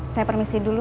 saya permisi dulu